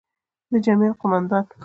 د جمعیت قوماندان،